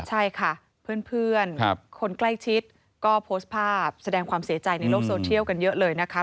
ใช่ค่ะเพื่อนคนใกล้ชิดก็โพสต์ภาพแสดงความเสียใจในโลกโซเชียลกันเยอะเลยนะคะ